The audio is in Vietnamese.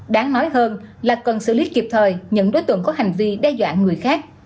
đáng nói hơn là cần xử lý kịp thời những đối tượng có hành vi đe dọa người khác